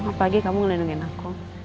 apalagi kamu ngelindungin aku